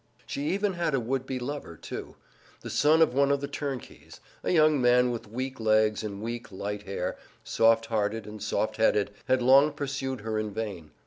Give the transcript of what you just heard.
She even had a would be lover, too. The son of one of the turnkeys, a young man with weak legs and weak, light hair, soft hearted and soft headed, had long pursued her in vain.